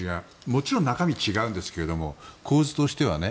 もちろん中身は違うんですけれども構図としては。